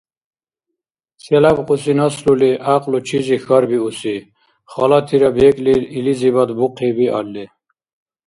Челябкьуси наслули гӀякьлу чизи хьарбиуси, халатира бекӀлил илизибад бухъи биалли?